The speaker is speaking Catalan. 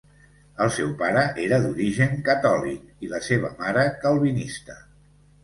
El seu pare era d'origen catòlic i la seva mare calvinista.